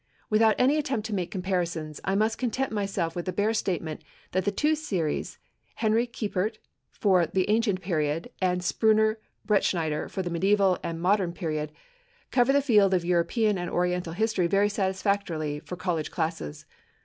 Without any attempt to make comparisons, I must content myself with the bare statement that the two series, Henry Kiepert for the ancient period, and Spruner Bretschneider for the medieval and modern period, cover the field of European and Oriental history very satisfactorily for college classes.